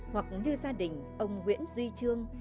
hoặc như gia đình ông nguyễn duy trương